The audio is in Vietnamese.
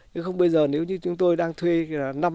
nếu không bây giờ nếu như chúng tôi đang thuê năm năm